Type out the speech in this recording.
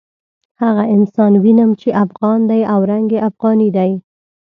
هغه انسان وینم چې افغان دی او رنګ یې افغاني دی.